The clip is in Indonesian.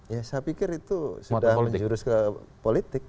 ya saya pikir itu sudah menjurus ke politik